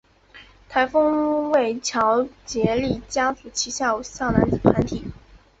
台风为乔杰立家族旗下偶像男子团体。